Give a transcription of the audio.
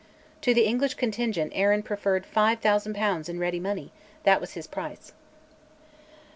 To the English contingent Arran preferred 5000 pounds in ready money that was his price.